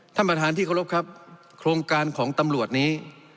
ท่านประธานที่เคารพครับโครงการของตำรวจนี้